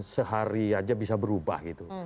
sehari aja bisa berubah gitu